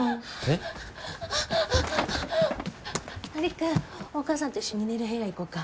璃久お母さんと一緒に寝る部屋行こうか。